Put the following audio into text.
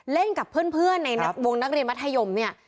เล่นกับเพื่อนในวงนักเรียนมัธยมเนี่ย